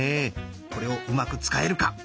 これをうまく使えるか？